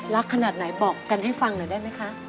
ขนาดไหนบอกกันให้ฟังหน่อยได้ไหมคะ